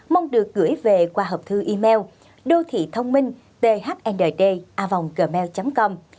mong được gửi về qua hộp thư email đothithongminhthnddavonggmail com